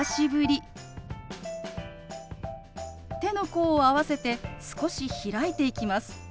手の甲を合わせて少し開いていきます。